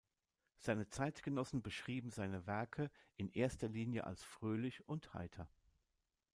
Seine Zeitgenossen beschrieben seine Werke in erster Linie als „fröhlich“ und „heiter“.